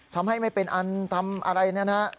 ทำให้ไม่เป็นอันทำอะไรเนี่ยนะฮะ